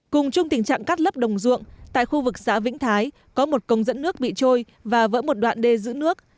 cùng chung tình trạng cắt lấp đồng ruộng tại khu vực xã vĩnh thái có một công dẫn nước bị trôi và vỡ một đoạn đê giữ nước